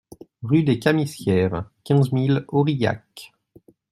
Rue des Camisières, quinze mille Aurillac